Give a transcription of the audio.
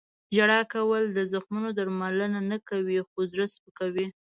• ژړا کول د زخمونو درملنه نه کوي، خو زړه سپکوي.